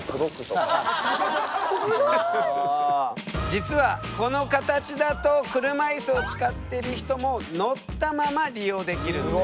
実はこの形だと車いすを使っている人も乗ったまま利用できるんだよね。